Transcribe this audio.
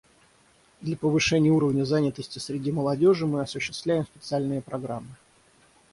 Для повышения уровня занятости среди молодежи мы осуществляем специальные программы.